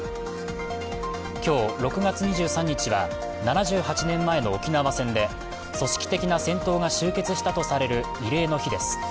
今日６月２３日は７８年前の沖縄戦で、組織的な戦闘が終結したとされる慰霊の日です。